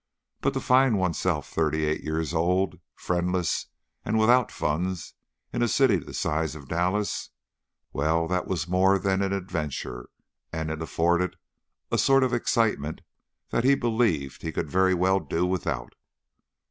But to find oneself thirty eight years old, friendless and without funds in a city the size of Dallas well, that was more than an adventure, and it afforded a sort of excitement that he believed he could very well do without.